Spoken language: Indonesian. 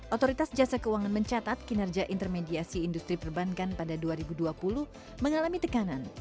otoritas jasa keuangan mencatat kinerja intermediasi industri perbankan pada dua ribu dua puluh mengalami tekanan